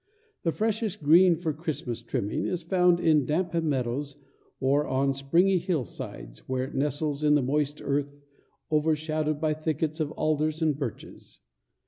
The freshest green for Christmas trimming is found in damp meadows or on springy hillsides, where it nestles in the moist earth, overshadowed by thickets of alders and birches.